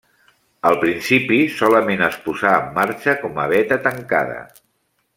Al principi solament es posà en marxa com a beta tancada.